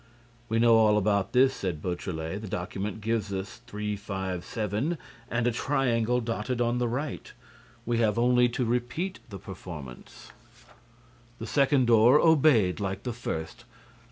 "We know all about this," said Beautrelet. "The document gives us 357 and a triangle dotted on the right. We have only to repeat the performance." The second door obeyed like the first.